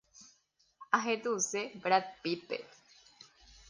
Ahetũse Brad Pittpe.